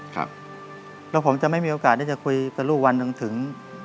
แล้วผมจะไม่มีโอกาสได้จะคุยกับลูกวันหนึ่งถึง